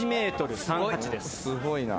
すごいな。